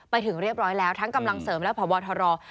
ไปถึงเรียบร้อยแล้วทั้งกำลังเสริมและพบทร